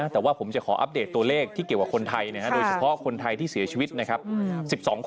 แต่ว่าผมจะขออัปเดตตัวเลขที่เกี่ยวกับคนไทยโดยเฉพาะคนไทยที่เสียชีวิตนะครับ